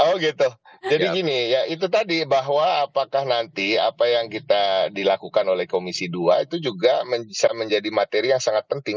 oh gitu jadi gini ya itu tadi bahwa apakah nanti apa yang kita dilakukan oleh komisi dua itu juga bisa menjadi materi yang sangat penting